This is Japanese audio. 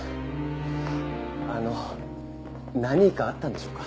あの何かあったんでしょうか？